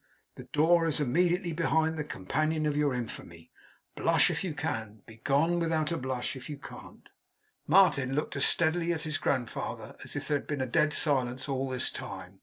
The door is immediately behind the companion of your infamy. Blush if you can; begone without a blush, if you can't.' Martin looked as steadily at his grandfather as if there had been a dead silence all this time.